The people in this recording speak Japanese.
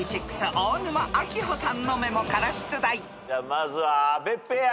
まず阿部ペア。